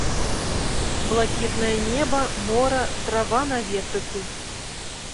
Блакітнае неба, мора, трава на ветрыку.